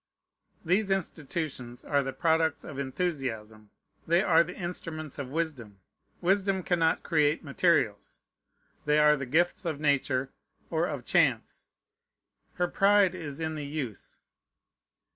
These institutions are the products of enthusiasm; they are the instruments of wisdom. Wisdom cannot create materials; they are the gifts of Nature or of chance; her pride is in the use.